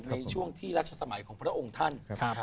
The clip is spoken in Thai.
ในช่วงที่รัชสมัยของพระองค์ท่าน